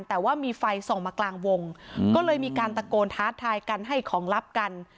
แต่ว่ามีไฟส่องมากลางวงก็เลยมีการตะโกนท้าทายกันให้ของลับกัน